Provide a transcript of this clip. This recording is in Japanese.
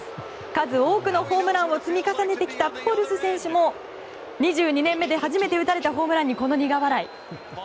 数多くのホームランを積み重ねてきたプホルス選手も２２年目で初めて打たれたホームランにこの苦笑い。